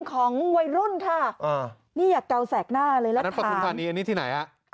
ของวัยรุ่นค่ะอ่านี่อยากเกาแสกหน้าเลยแล้วถามอันนี้ที่ไหนอ่ะ